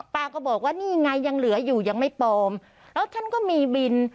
ป้าก็บอกว่านี่ไงยังเหลืออยู่ยังไม่ปลอมแล้วฉันก็มีบิน